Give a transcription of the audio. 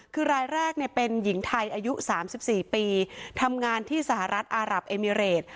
คือรายแรกเป็นหญิงไทยอายุ๓๔ปีทำงานที่สหรัฐอารับเอมิเรต